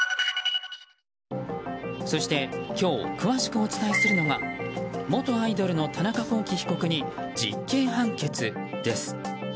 そして今日、詳しくお伝えするのが元アイドルの田中聖被告に実刑判決です。